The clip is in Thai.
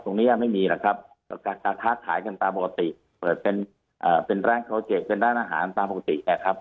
ตรงนี้ไม่มีล่ะครับการท้าขายกันตามปกติเปิดเป็นแรงเขาเจ็บเป็นแรงอาหารตามปกติแหละครับ